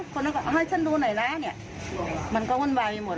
คนนั้นก็ให้ฉันดูหน่อยนะเนี่ยมันก็วุ่นวายไปหมด